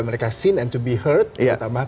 mereka seen and to be heard terutama